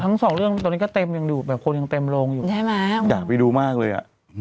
ทั้งสองเรื่องตรงนี้ก็เต็มอยู่แบบคนยังเต็มลงอยู่อยากไปดูมากเลย